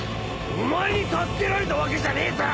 お前に助けられたわけじゃねえぞ！